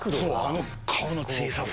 あの顔の小ささ。